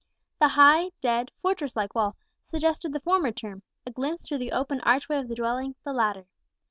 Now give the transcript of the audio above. The high, dead, fortress like wall, suggested the former term; a glimpse through the open archway of the dwelling, the latter.